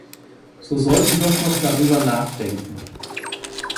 So soll sie doch noch darüber nachdenken.